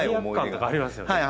罪悪感とかありますよね。